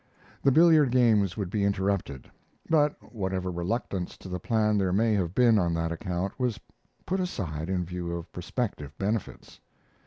The billiard games would be interrupted; but whatever reluctance to the plan there may have been on that account was put aside in view of prospective benefits.